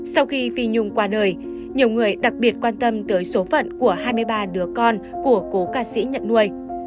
sau khi phi nhung qua đời nhiều người đặc biệt quan tâm tới số phận của hai mươi ba đứa con của cố ca sĩ nhận nuôi